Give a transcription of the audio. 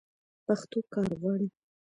پښتو کار غواړي.